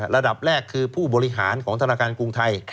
ระดับแรกคือผู้บริหารของธนาคารกรุงไทย